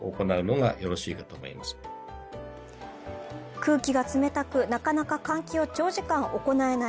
空気が冷たく、なかなか換気を長時間行えない